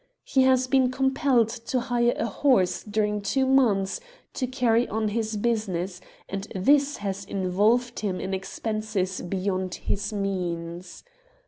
He has been compelled to hire a horse during two months to carry on his business, and this has in volved him in expenses beyond his means.